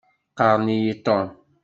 Qqaṛen-iyi Tom.